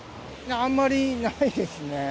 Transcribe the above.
あんまりないですね。